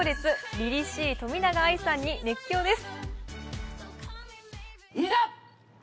りりしい冨永愛さんに熱狂です。